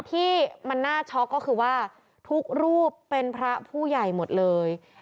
ที่มันน่าช็อกก็คือว่าทุกรูปเป็นพระผู้ใหญ่หมดเลย